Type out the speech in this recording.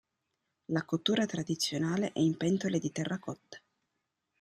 La cottura tradizionale è in pentole di terracotta.